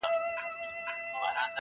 سړي وویل قسم دی چي مسکین یم.